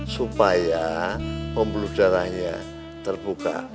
supaya pembuluh darahnya terbuka